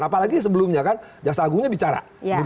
apalagi sebelumnya kan jaksa agungnya bicara